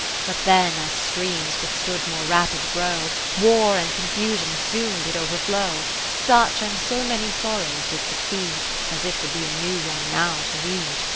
But then, as streams withstood more rapid grow. War and confusion soon did over flow : Such and so many sorrows did succeed. As it would be a new one now to read.